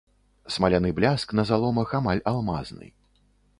Смаляны бляск, на заломах амаль алмазны.